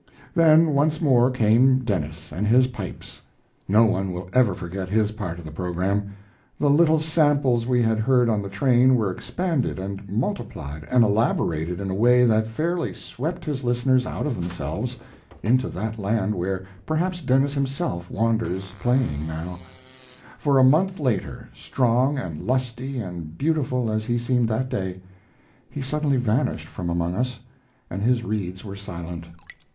Then once more came Denis and his pipes. No one will ever forget his part of the program. The little samples we had heard on the train were expanded and multiplied and elaborated in a way that fairly swept his listeners out of themselves into that land where perhaps Denis himself wanders playing now; for a month later, strong and lusty and beautiful as he seemed that day, he suddenly vanished from among us and his reeds were silent.